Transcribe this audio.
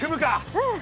うん。